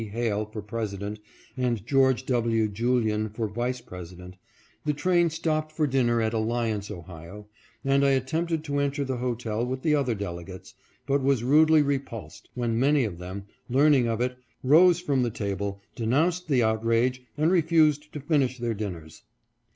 Hale for President and George W. Julian for Vice Presi dent, the train stopped for dinner at Alliance, Ohio, and I attempted to enter the hotel with the other delegates, but was rudely repulsed, when many of them, learning of it, rose from the table, denounced the outrage and refused to finish their dinners.